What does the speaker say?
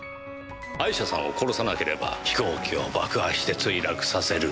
アイシャさんを殺さなければ飛行機を爆破して墜落させる。